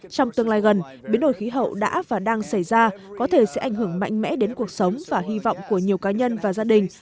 trong tương lai gần biến đổi khí hậu đã và đang xảy ra có thể sẽ ảnh hưởng mạnh mẽ đến cuộc sống và hy vọng của nhiều cá nhân và gia đình